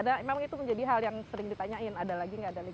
ada memang itu menjadi hal yang sering ditanyain ada lagi nggak ada lagi